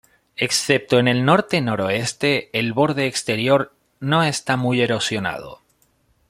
Excepto en el norte-noroeste, el borde exterior no está muy erosionado.